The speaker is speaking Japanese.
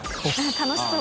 楽しそう。